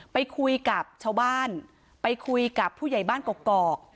ไปคุยกับชาวบ้านไปคุยกับผู้ใหญ่บ้านกอก